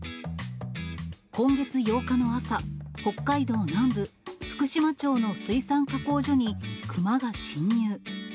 今月８日の朝、北海道南部、福島町の水産加工所にクマが侵入。